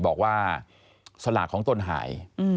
บอกว่าสลากของตนหาย